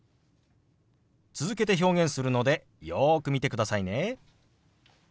続けて表現するのでよく見てくださいね。